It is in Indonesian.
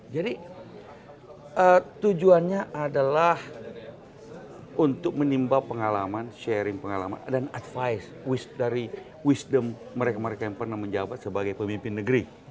jadi tujuannya adalah untuk menimba pengalaman sharing pengalaman dan advice dari wisdom mereka mereka yang pernah menjabat sebagai pemimpin negeri